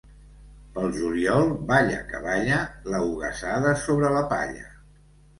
Pel juliol, balla que balla, l'eugassada sobre la palla.